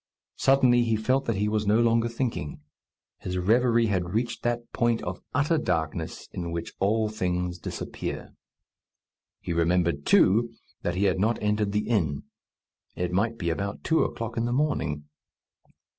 Suddenly he felt that he was no longer thinking. His reverie had reached that point of utter darkness in which all things disappear. He remembered, too, that he had not entered the inn. It might be about two o'clock in the morning.